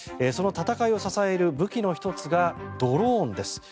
その戦いをさせる武器の１つがドローンです。